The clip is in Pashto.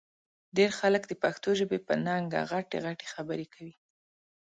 ډېر خلک د پښتو ژبې په ننګه غټې غټې خبرې کوي